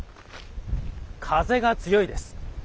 風が強いです。